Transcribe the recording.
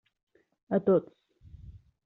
A tots.